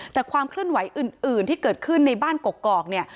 แต่ความเคลื่อนไหวอื่นที่เกิดขึ้นในบ้านกอกเนี่ย